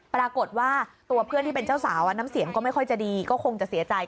ปรากฏว่าตัวเพื่อนที่เป็นเจ้าสาวน้ำเสียงก็ไม่ค่อยจะดีก็คงจะเสียใจ